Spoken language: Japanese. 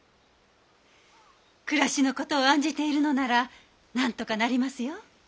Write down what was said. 暮らしのことを案じているのならなんとかなりますよ。